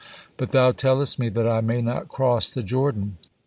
But Thou tellest me that I may not cross the Jordan!